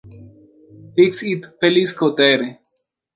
Fix-It Felix Jr.